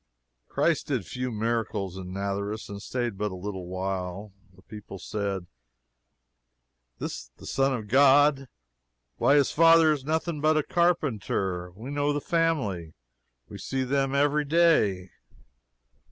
Christ did few miracles in Nazareth, and staid but a little while. The people said, "This the Son of God! Why, his father is nothing but a carpenter. We know the family. We see them every day.